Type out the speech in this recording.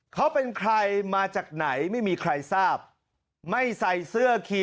เขาเป็นใครมาจากไหนไม่มีใครทราบไม่ใส่เสื้อขี่